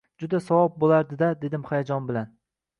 Juda savob bo`lardi-da, dedim hayajon bilan